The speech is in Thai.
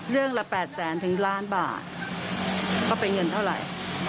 เรื่องละแปดแสนถึงล้านบาทก็เป็นเงินเท่าไหร่